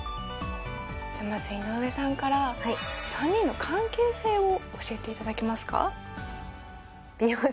じゃあまず井上さんから３人の関係性を教えていただけますか？